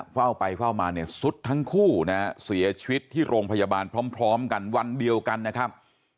เฝ้าไปเฝ้ามาเนี่ยสุดทั้งคู่นะฮะเสียชีวิตที่โรงพยาบาลพร้อมกันวันเดียวกันนะครับ